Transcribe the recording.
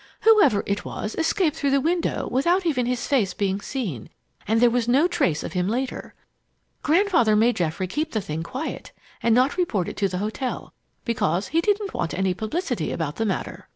Whoever it was escaped through the window without even his face being seen, and there was no trace of him later. Grandfather made Geoffrey keep the thing quiet and not report it to the hotel, because he didn't want any publicity about the matter.